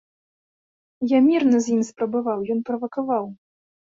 Я мірна з ім спрабаваў, ён правакаваў.